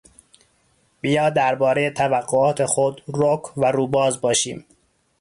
بیا دربارهی توقعات خود رک و روباز باشیم.